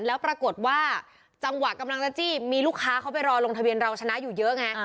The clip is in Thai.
แล้วปรากฏว่าจังหวะกำลังจะจี้มีลูกค้าเขาไปรอลงทะเบียนเราชนะอยู่เยอะไง